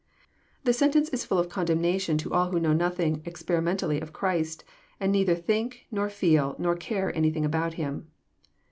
The sentence is ftill of condemnation to all who know nothing experimentally of Christ, and neither think, nor feel, nor care anything about Him.